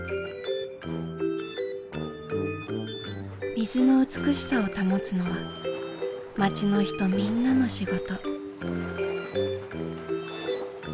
水の美しさを保つのは町の人みんなの仕事。